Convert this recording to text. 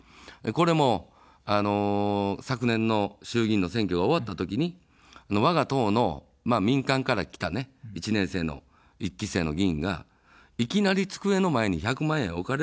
これも、昨年の衆議院の選挙が終わったときに、わが党の民間から来た１年生の１期生の議員がいきなり机の前に１００万円置かれるわけですから。